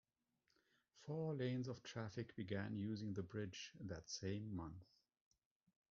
Four lanes of traffic began using the bridge that same month.